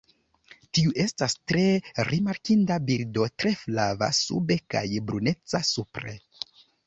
Tiu estas tre rimarkinda birdo tre flava sube kaj bruneca supre.